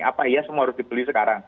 apa iya semua harus dibeli sekarang